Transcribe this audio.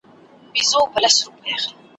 څوک چي دښمن وي د هرات هغه غلیم د وطن ,